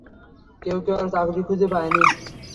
কেউ কেউ আর চাকুরী খুঁজে পায়নি।